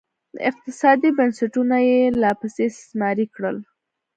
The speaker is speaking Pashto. اقتصادي بنسټونه یې لاپسې استثماري کړل